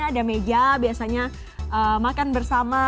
ada meja biasanya makan bersama